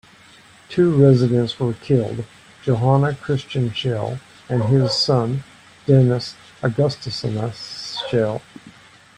Two residents were killed, Johann Christian Schell and his son, Denis Augustinius Schell.